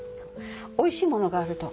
おいしいものがあると。